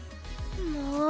もう！